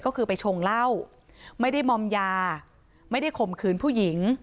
ก็คือไปชงเหล้าไม่ได้มอมยาไม่ได้ข่มขืนผู้หญิง